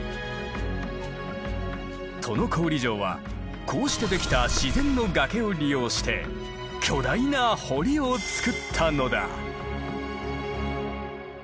都於郡城はこうして出来た自然の崖を利用して巨大な堀を造ったのだ。